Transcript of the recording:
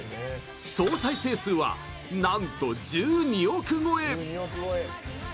総再生数は、なんと１２億超え！